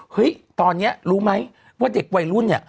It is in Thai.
เฮ้ยตอนนี้รู้ไหมว่าเด็กวัยรุ่นเนี่ย